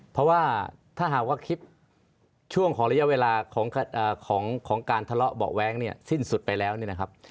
เพราะว่าถ้าหากว่าคลิปช่วงของระยะเวลาของการทะเลาะเบาะแว้งเนี่ยสิ้นสุดไปแล้วเนี่ยนะครับ